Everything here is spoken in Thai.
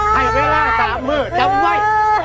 ให้เวลา๓มือจำไว้